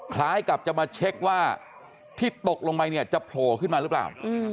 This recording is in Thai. คล้ายกับจะมาเช็คว่าที่ตกลงไปเนี่ยจะโผล่ขึ้นมาหรือเปล่า